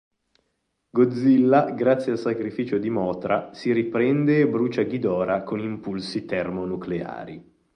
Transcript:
Godzilla, grazie al sacrificio di Mothra, si riprende e brucia Ghidorah con impulsi termonucleari.